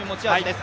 す。